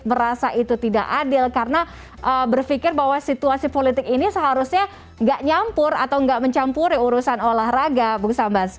merasa itu tidak adil karena berpikir bahwa situasi politik ini seharusnya tidak menyampuri urusan olahraga bung sabas